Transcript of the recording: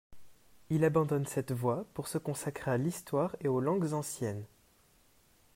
Il abandonne cette voie pour se consacrer à l'histoire et aux langues anciennes.